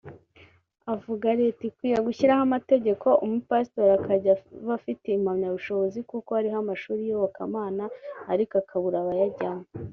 Avuga Leta ikwiye gushyiraho amategeko Umupasitori akajya aba afite impamyabushobozi kuko hariho amashuri y’iyobokamana ariko akabura abayajyamo